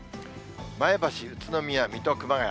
前橋、宇都宮、水戸、熊谷。